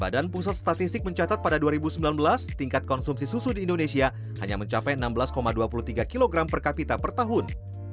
badan pusat statistik mencatat pada dua ribu sembilan belas tingkat konsumsi susu di indonesia hanya mencapai enam belas dua puluh tiga kg per kapita per tahun